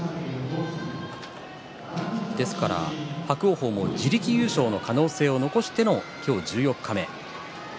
伯桜鵬も自力優勝の可能性を残しての今日十四日目。